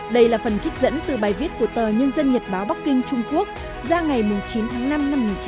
đây là phần trích dẫn từ bài viết của tờ nhân dân nhật báo bắc kinh trung quốc ra ngày chín tháng năm năm một nghìn chín trăm bảy mươi